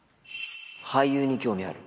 俳優に興味ある？